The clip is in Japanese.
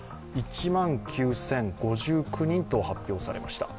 １万９０５９人と発表されました。